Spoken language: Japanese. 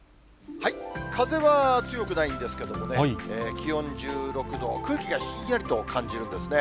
風は強くないんですけれどもね、気温１６度、空気がひんやりと感じるんですね。